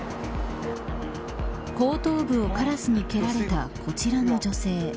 後頭部をカラスに蹴られたこちらの女性。